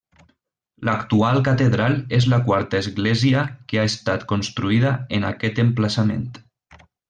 L'actual catedral és la quarta església que ha estat construïda en aquest emplaçament.